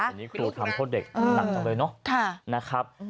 อันนี้ครูทำโทษเด็กหนักจังเลยเนาะนะครับ